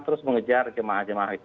terus mengejar jemaah jemaah itu